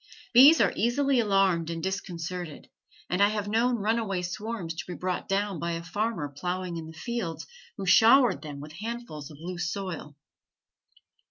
Bees are easily alarmed and disconcerted, and I have known runaway swarms to be brought down by a farmer ploughing in the field who showered them with handfuls of loose soil.